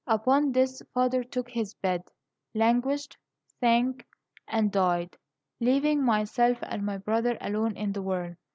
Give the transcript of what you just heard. Upon this father took his bed, languished, sank, and died, leaving myself and my brother alone in the world.